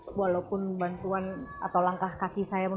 dan walaupun bantuan atau langkah kaki saya tidak berhasil